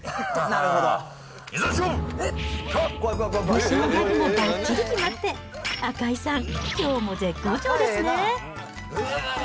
武将ギャグもばっちり決まって、赤井さん、きょうも絶好調ですね。